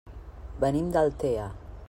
Venim d'Altea.